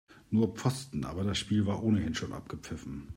Nur Pfosten, aber das Spiel war ohnehin schon abgepfiffen.